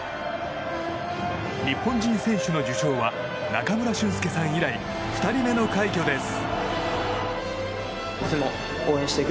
日本人選手の受賞は中村俊輔さん以来２人目の快挙です。